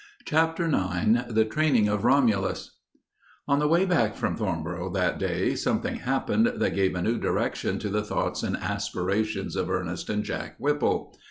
CHAPTER IX THE TRAINING OF ROMULUS On the way back from Thornboro that day something happened that gave a new direction to the thoughts and aspirations of Ernest and Jack Whipple.